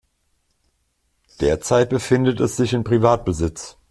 Derzeit befindet es sich in Privatbesitz.